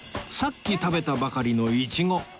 さっき食べたばかりのイチゴ